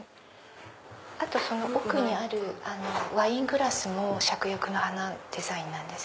あとその奥にあるワイングラスもシャクヤクの花デザインです。